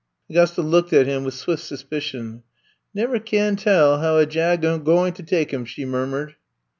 'Gusta looked at him with swift suspi cion. Never can tell how a jag agwine to take *em," she murmured.